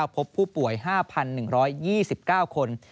พบผู้ป่วย๕๑๒๙คน